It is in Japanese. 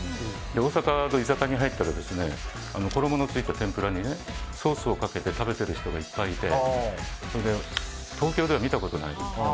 大阪の居酒屋に入ったら衣のついた天ぷらにソースをかけて食べている人がいっぱいいて東京では見たことがない。